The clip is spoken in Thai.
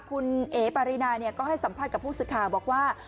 คุณเอ๊ะปารินาต้องก็สัมผัสกับผู้สุข่าวบอกว่า